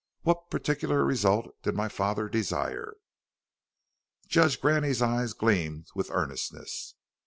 "What particular result did my father desire?" Judge Graney's eyes gleamed with earnestness.